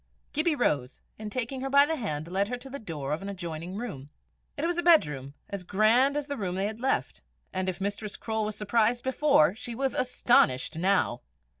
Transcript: Gibbie rose, and taking her by the hand, led her to the door of an adjoining room. It was a bedroom, as grand as the room they had left, and if Mistress Croale was surprised before, she was astonished now.